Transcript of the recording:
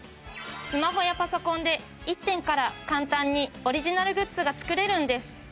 スマホやパソコンで１点から簡単にオリジナルグッズが作れるんです。